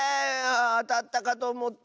あたったかとおもった。